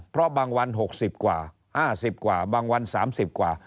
เพราะบางวัน๖๐กว่า๕๐กว่าบางวัน๓๐กว่า